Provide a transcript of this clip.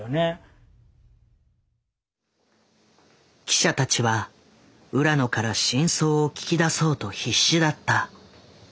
記者たちは浦野から真相を聞き出そうと必死だった。